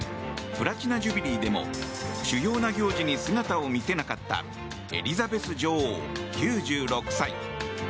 プラチナ・ジュビリーでも主要な行事に姿を見せなかったエリザベス女王、９６歳。